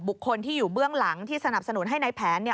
บุคคลที่อยู่เบื้องหลังที่สนับสนุนให้ในแผนเนี่ย